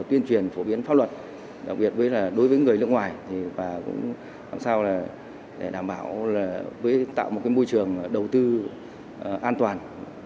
tuyên truyền phổ biến pháp luật đối với người nước ngoài đảm bảo tạo một môi trường đầu tư an toàn